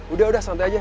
udah udah santai aja